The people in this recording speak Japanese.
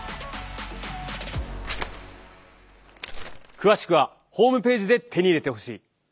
詳しくはホームページで手に入れてほしい。